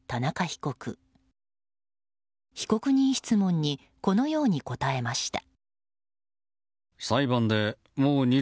被告人質問にこのように答えました。